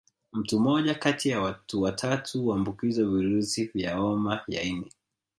Mtu mmoja kati ya watu watatu huambukizwa virusi vya homa ya ini